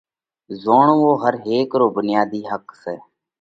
زوڻوو ھر ھيڪ رو ڀڻياڌي حق سئہ۔